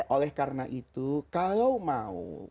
oleh karena itu kalau mau